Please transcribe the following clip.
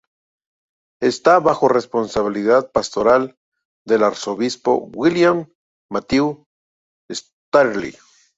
Esta bajo la responsabilidad pastoral del arzobispo William Matthew Slattery.